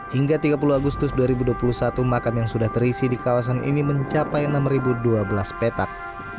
hingga tiga puluh agustus dua ribu dua puluh satu makan yang sudah terisi di kawasan ini mencapai enam dua belas petak